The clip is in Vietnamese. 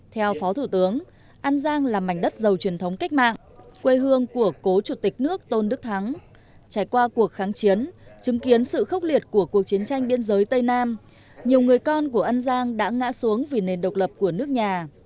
theo phó thủ tướng an giang là mảnh đất giàu truyền thống cách mạng quê hương của cố chủ tịch nước tôn đức thắng trải qua cuộc kháng chiến chứng kiến sự khốc liệt của cuộc chiến tranh biên giới tây nam nhiều người con của an giang đã ngã xuống vì nền độc lập của nước nhà